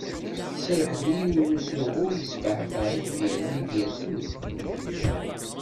Tserreḥ-d i yiwen n usuɣu yesfeɛfeɛ itbiren i d-yersen deg ufrag.